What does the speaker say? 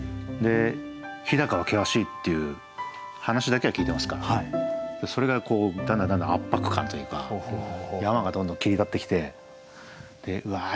日高は険しいっていう話だけは聞いてますからそれがだんだんだんだん圧迫感というか山がどんどん切り立ってきてうわあ